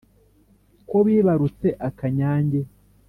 ko bibarutse akanyange.